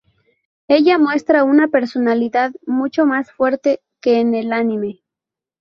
Ella muestra una personalidad mucho más fuerte que en el anime.